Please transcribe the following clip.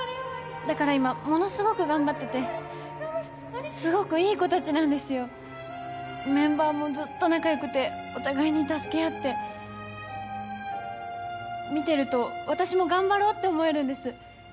だから今ものすごく頑張っててすごくいい子達なんですよメンバーもずっと仲良くてお互いに助け合って見てると私も頑張ろうって思えるんです